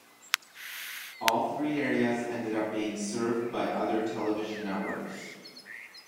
All three areas ended up being served by other television networks.